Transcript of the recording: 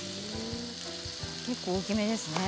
結構、大きめですね。